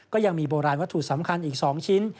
ก็ยังมีโบราณวัตถุสำคัญอีก๒ชิ้น